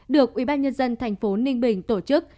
được ubnd tp ninh bình tổ chức